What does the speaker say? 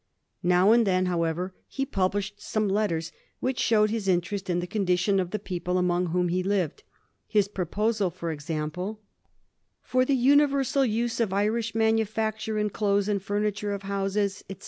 Now and then, however, he published some letter which showed his interest in the condition of the people among whom he lived ; his proposal, for example, ' for the imiversal use of Irish manufecture in clothes and furniture of houses, &c.